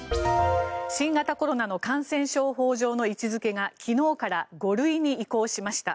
新型コロナの感染症法上の位置付けが昨日から５類に移行しました。